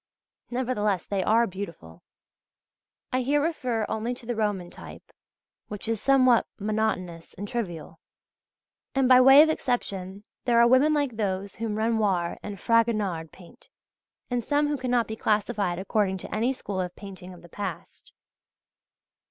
Nevertheless they are beautiful (I here refer only to the Roman type, which is somewhat monotonous and trivial) and by way of exception there are women like those whom Renoir and Fragonard paint, and some who cannot be classified according to any school of painting of the past.